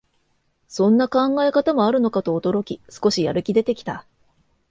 そんな考え方もあるのかと驚き、少しやる気出てきた